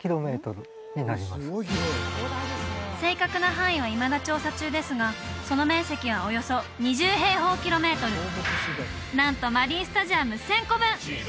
正確な範囲はいまだ調査中ですがその面積はおよそ２０平方キロメートルなんとマリンスタジアム１０００個分！